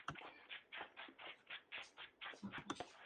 El material del firme es sobre todo hormigón.